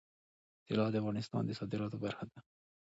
طلا د افغانستان د صادراتو برخه ده.